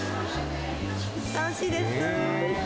「楽しいです」